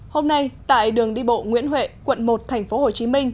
hôm nay tại đường đi bộ nguyễn huệ quận một tp hcm